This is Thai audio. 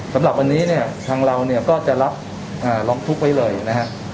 สำหรับวันนี้เนี่ยทางเราเนี่ยก็จะรับร้องทุกข์ไว้เลยนะฮะ